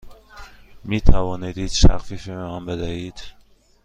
می توانید هیچ تخفیفی به من بدهید؟